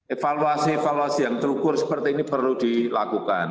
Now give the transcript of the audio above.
evaluasi evaluasi yang terukur seperti ini perlu dilakukan